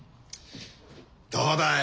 どうだい？